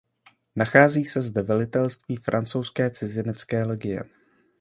Nachází se zde velitelství Francouzské cizinecké legie.